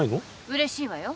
うれしいわよ。